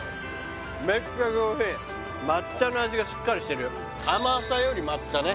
めっちゃ上品抹茶の味がしっかりしてる甘さより抹茶ね